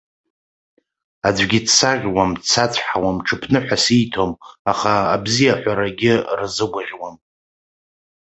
Аӡәгьы дсаӷьуам, дсацәҳауам, ҽыԥныҳәа сиҭом, аха абзиа аҳәарагьы рзыгәаӷьуам.